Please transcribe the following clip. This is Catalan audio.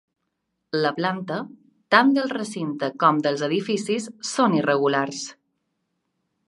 La planta, tant del recinte com dels edificis, són irregulars.